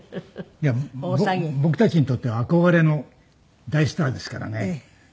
いや僕たちにとっては憧れの大スターですからね。